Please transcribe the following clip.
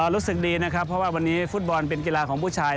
รู้สึกดีนะครับเพราะว่าวันนี้ฟุตบอลเป็นกีฬาของผู้ชาย